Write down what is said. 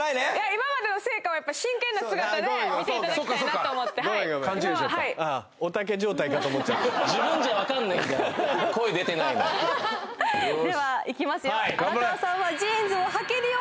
今までの成果を真剣な姿で見ていただきたいなと思ってああではいきますよ